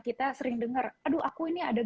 kita sering dengar aduh aku ini ada